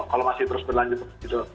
kalau masih terus berlanjut gitu